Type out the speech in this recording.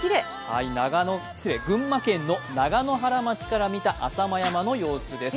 群馬県の長野原町から見た浅間山の様子です。